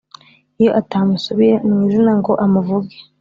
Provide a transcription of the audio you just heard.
Iyo atamusubiye mu izina ngo amuvuge